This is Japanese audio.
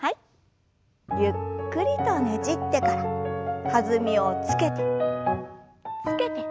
ゆっくりとねじってから弾みをつけてつけて。